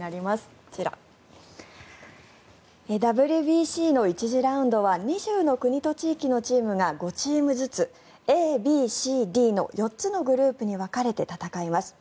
こちら、ＷＢＣの１次ラウンドは２０の国と地域のチームが５チームずつＡ、Ｂ、Ｃ、Ｄの４つのグループに分かれて戦います。